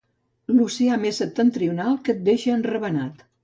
L'oceà més septentrional, que et deixa enravenat.